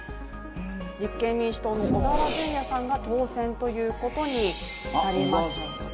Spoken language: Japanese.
立憲民主党の小川淳也さんが当選となります。